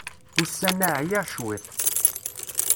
Ussan-a ɛyiɣ cwiṭ.